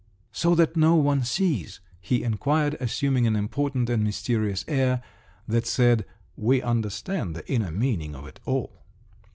"So that no one sees?" he inquired, assuming an important and mysterious air, that said, "We understand the inner meaning of it all!"